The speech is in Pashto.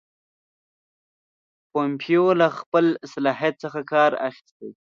پومپیو له خپل صلاحیت څخه کار اخیستی.